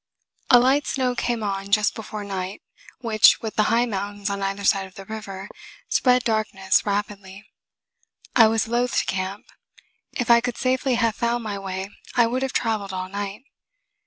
A light snow came on just before night, which, with the high mountains on either side of the river, spread darkness rapidly. I was loath to camp. If I could safely have found my way, I would have traveled all night.